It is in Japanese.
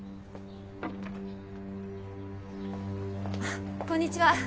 あっこんにちは。